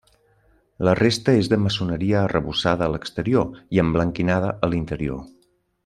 La resta és de maçoneria arrebossada a l'exterior i emblanquinada a l'interior.